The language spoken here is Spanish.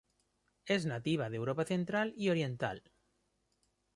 Es nativa de Europa central y oriental.